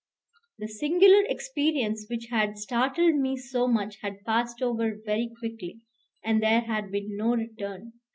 The singular experience which had startled me so much had passed over very quickly, and there had been no return.